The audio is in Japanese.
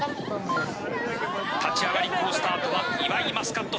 立ち上がり好スタートは岩井マスカット。